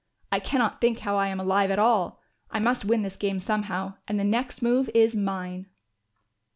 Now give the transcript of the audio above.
"I cannot think how I am alive at all. I must win this game somehow and the next move is mine."